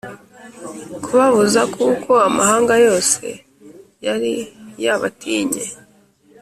kubabuza kuko amahanga yose yari yabatinye